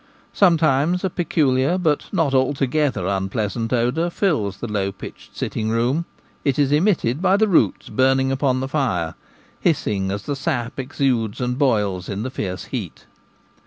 Sometimes a peculiar but not altogether unpleasant odour fills the low pitched sit ting room — it is emitted by the roots burning upon the fire, hissing as the sap exudes and boils in the fierce heat.